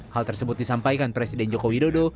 hal tersebut disampaikan presiden jokowi dodo